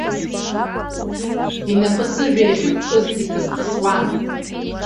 Инапы сыжәҩа иахьықәкыз иҵыс-ҵысуан.